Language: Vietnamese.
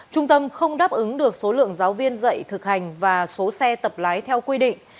trung tâm không đáp ứng được số lượng giáo viên dạy thực hành và số xe tập lái theo quy định